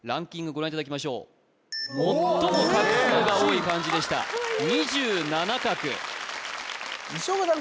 ご覧いただきましょう最も画数が多い漢字でしたカッコイイ２７画西岡さん